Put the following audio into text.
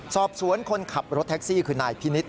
สอบสวนคนขับรถแท็กซี่คือนายพินิษฐ